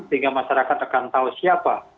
sehingga masyarakat akan tahu siapa